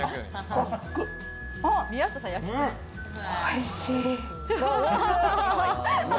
おいしい！